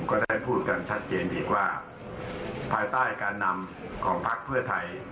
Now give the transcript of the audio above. ก็ได้พูดกันชัดเจนอีกว่าภายใต้การนำของพักเพื่อไทย